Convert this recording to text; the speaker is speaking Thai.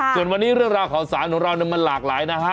ส่วนวันนี้เรื่องราวข่าวสารของเรามันหลากหลายนะฮะ